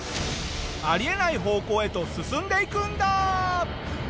あり得ない方向へと進んでいくんだ！